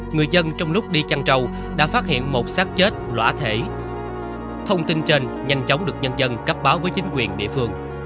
người dân trong lúc đi chăn trầu đã phát hiện một sát chết lõa thể thông tin trên nhanh chóng được nhân dân cấp báo với chính quyền địa phương